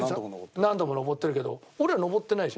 何度も登ってるけど俺ら登ってないでしょ？